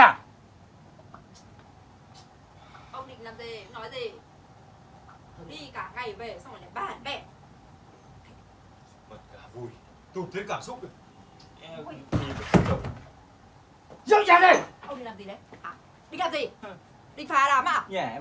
định phá đám à